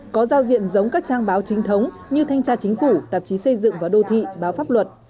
có giao diện giống các trang báo trinh thống như thanh tra chính phủ tạp chí xây dựng và đô thị báo pháp luật